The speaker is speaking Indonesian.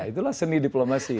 itulah seni diplomasi